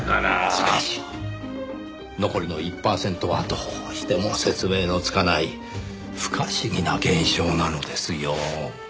しかし残りの１パーセントはどうしても説明のつかない不可思議な現象なのですよ。